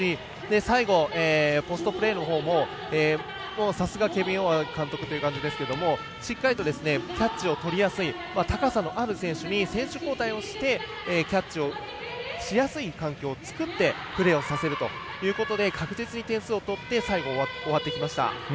最後、ポストプレーのほうもさすがケビン・オアー監督ですがしっかりとキャッチを取りやすい高さのある選手に選手交代をしてキャッチをしやすい環境を作ってプレーをさせるということで確実に点数を取って最後、終わってきました。